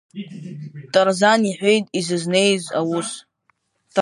Тарзан иҳәеит изызнеиз аус.